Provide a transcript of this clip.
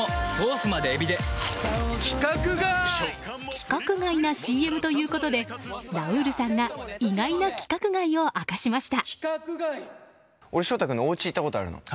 規格外なＣＭということでラウールさんが意外な規格外を明かしました。